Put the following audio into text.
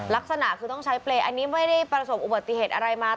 ลักษณะคือต้องใช้เปรย์อันนี้ไม่ได้ประสบอุบัติเหตุอะไรมา